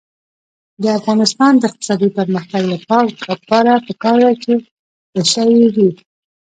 د افغانستان د اقتصادي پرمختګ لپاره پکار ده چې پشه یي وي.